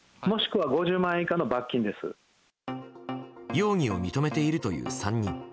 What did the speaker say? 容疑を認めているという３人。